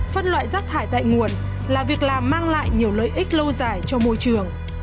phân loại rác thải tại nguồn là việc làm mang lại nhiều lợi ích lâu dài cho môi trường